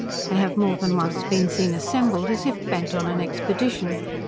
They have more than once been seen assembled, as if bent on an expedition.